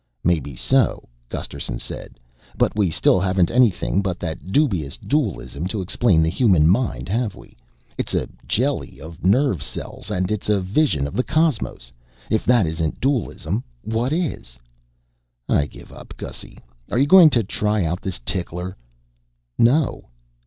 "Maybe so," Gusterson said, "but we still haven't anything but that dubious dualism to explain the human mind, have we? It's a jelly of nerve cells and it's a vision of the cosmos. If that isn't dualism, what is?" "I give up. Gussy, are you going to try out this tickler?" "No!"